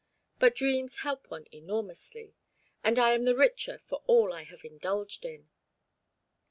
But dreams help one enormously, and I am the richer for all I have indulged in."